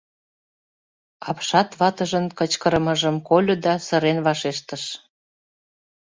Апшат ватыжын кычкырымыжым кольо да сырен вашештыш: